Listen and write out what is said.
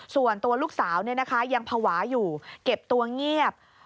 ส่วนตัวลูกสาวเนี่ยนะคะยังผวาอยู่เก็บตัวเงียบ